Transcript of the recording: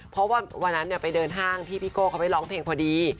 เพราะว่าวันนั้นไปเดินห้างที่พี่โก้เขาไปร้องเพลงพอดี